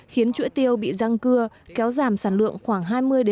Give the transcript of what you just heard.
khiến chuỗi tiêu bị răng cưa kéo giảm sản lượng khoảng hai mươi hai mươi năm